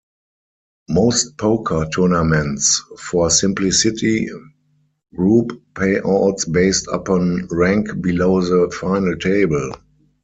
Most poker tournaments, for simplicity, group payouts based upon rank below the final table.